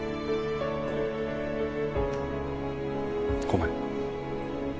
ごめん。